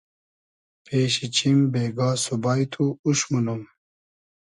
پېشی چیم بېگا سوبای تو اوش مونوم